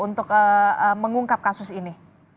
untuk mengungkap kasus ini